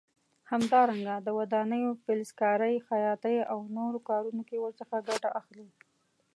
همدارنګه د ودانیو، فلزکارۍ، خیاطۍ او نورو کارونو کې ورڅخه ګټه اخلي.